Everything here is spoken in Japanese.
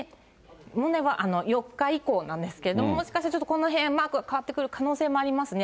で、４日以降なんですけれども、もしかするとちょっとこの辺マーク変わってくる可能性もありますね。